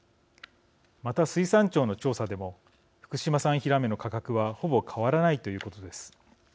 また、水産庁の調査でも福島産ひらめの価格はほぼ変わらないということです。